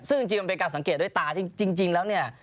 ซึ่งจริงมันเป็นการสังเกตด้วยตาจริงแล้วเนี่ย